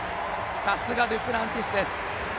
さすがデュプランティスです。